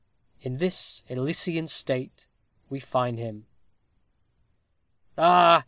In this Elysian state we find him. "Ah!